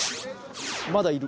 まだいる。